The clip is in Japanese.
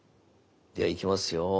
ではいきますよ。